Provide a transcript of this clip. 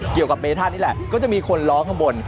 เกี่ยวกับเมธานี่แหละก็จะมีคนล้อข้างบน